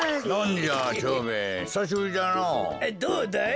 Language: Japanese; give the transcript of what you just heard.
どうだい？